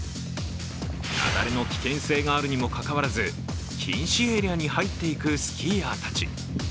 雪崩の危険性があるにもかかわらず禁止エリアに入っていくスキーヤーたち。